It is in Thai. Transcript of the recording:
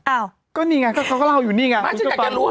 อ้าวก็นี่ไงเขาก็เล่าอยู่นี่ไงคุณก็ปั๊บมาฉันอยากจะรู้